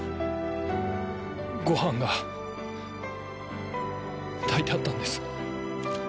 ご飯が炊いてあったんです。